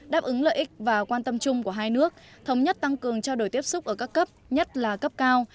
đáp ứng lợi ích và quan tâm chung của hai nước thống nhất tăng cường trao đổi tiếp xúc ở các cấp nhất là cấp cao